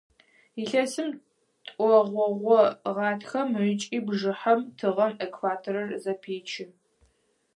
Илъэсым тӀогъогогъо – гъатхэм ыкӀи бжыхьэм тыгъэм экваторыр зэпечы.